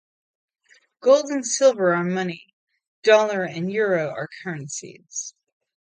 Gold and Silver are money. Dollar and Euro are currencies.